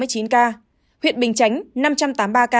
huyện bình chánh năm trăm tám mươi ba ca